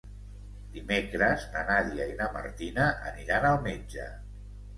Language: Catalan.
Dimecres na Nàdia i na Martina aniran al metge.